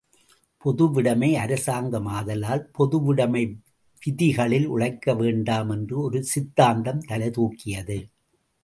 பொதுவுடைமை அரசாங்கம் ஆதலால் பொதுவுடைமை விதிகளில் உழைக்க வேண்டாம் என்ற ஒரு சித்தாந்தம் தலைதூக்கியது.